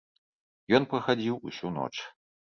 Ён прахадзіў усю ноч.